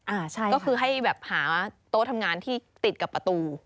อ่าใช่ก็คือให้แบบหาโต๊ะทำงานที่ติดกับประตู